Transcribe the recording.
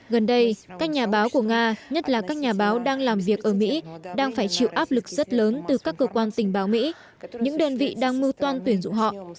gần đây các nhà báo của nga nhất là các nhà báo đang làm việc ở mỹ đang phải chịu áp lực rất lớn từ các cơ quan tình báo mỹ những đơn vị đang mưu toan tuyển dụng họ